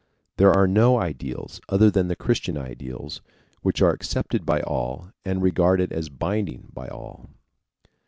There are no ideals, other than the Christian ideals, which are accepted by all and regarded as binding on all.